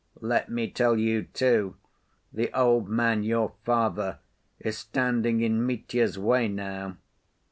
Let me tell you, too, the old man, your father, is standing in Mitya's way now.